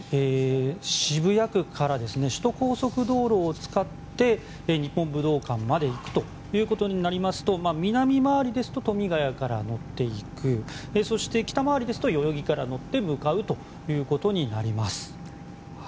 渋谷区から首都高速道路を使って日本武道館まで行くということになりますと南回りですと富ヶ谷から乗っていくそして、北回りですと代々木から乗って向かうということになります。